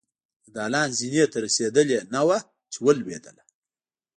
د دالان زينې ته رسېدلې نه وه چې ولوېدله.